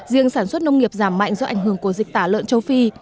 riêng sản xuất nông nghiệp giảm mạnh do ảnh hưởng của dịch tả lợn châu phi